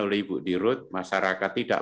oleh ibu dirut masyarakat tidak